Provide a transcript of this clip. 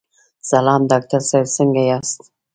سلام ډاکټر صاحب، څنګه یاست؟